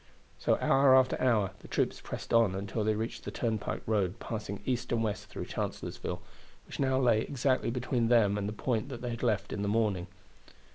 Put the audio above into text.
So hour after hour the troops pressed on until they reached the turnpike road passing east and west through Chancellorsville, which now lay exactly between them and the point that they had left in the morning.